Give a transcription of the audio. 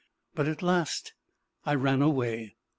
But at last I ran away.